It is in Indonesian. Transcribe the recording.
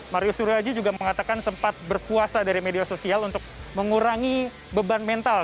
mario suryoji juga mengatakan sempat berpuasa dari media sosial untuk mengurangi beban mental